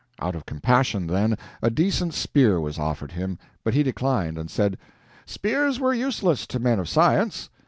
Out of compassion, then, a decent spear was offered him, but he declined, and said, "spears were useless to men of science."